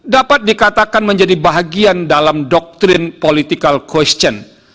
dapat dikatakan menjadi bahagian dalam doktrin political question